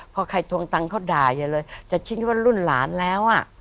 พอใครทวงตังเขาด่ายังเลยแต่ฉันคิดว่ารุ่นหลานแล้วอ่ะ